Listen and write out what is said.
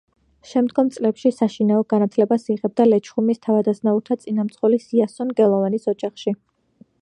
შემდგომ წლებში საშინაო განათლებას იღებდა ლეჩხუმის თავადაზნაურთა წინამძღოლის იასონ გელოვანის ოჯახში.